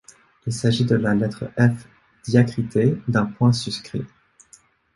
Il s'agit de la lettre F diacritée d'un point suscrit.